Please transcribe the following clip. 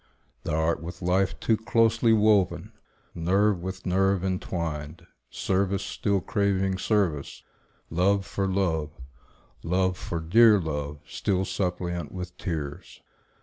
Thou art with life Too closely woven, nerve with nerve intwined; Service still craving service, love for love, Love for dear love, still suppliant with tears.